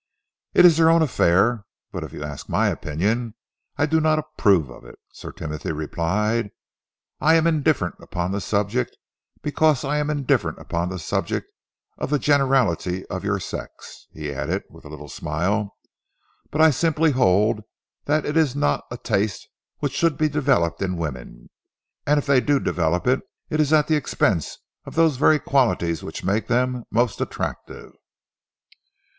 "It is their own affair, but if you ask my opinion I do not approve of it," Sir Timothy replied. "I am indifferent upon the subject, because I am indifferent upon the subject of the generality of your sex," he added, with a little smile, "but I simply hold that it is not a taste which should be developed in women, and if they do develop it, it is at the expense of those very qualities which make them most attractive."